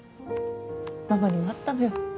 ママにもあったのよ